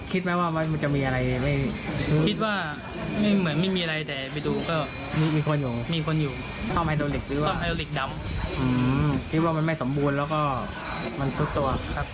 คิดว่ามันไม่สมบูรณ์แล้วก็มันพูดตัว